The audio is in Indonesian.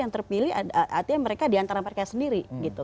mereka pilih artinya mereka diantara mereka sendiri gitu